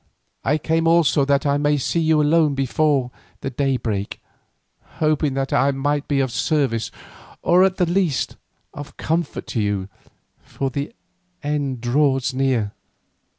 I came also that I may see you alone before the daybreak, hoping that I might be of service, or at the least, of comfort to you, for the end draws near.